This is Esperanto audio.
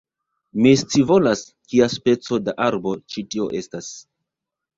Mi scivolas, kia speco de arbo, ĉi tio estas